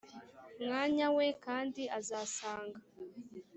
mwanya we kandi azasanga